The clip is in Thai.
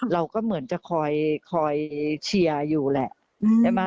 เราก็เหมือนจะคอยเชียร์อยู่แหละใช่ไหม